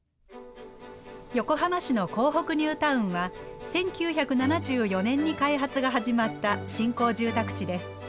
横浜市の港北ニュータウンは１９７４年に開発が始まった新興住宅地です。